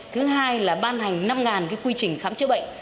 thứ hai là ban hành năm quy trình khám chữa bệnh